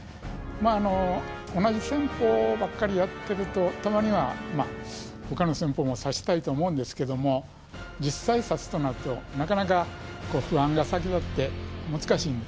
まああの同じ戦法ばっかりやってるとたまには他の戦法も指したいと思うんですけども実際指すとなるとなかなか不安が先立って難しいんですね。